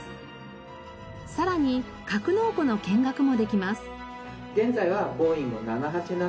さらに格納庫の見学もできます。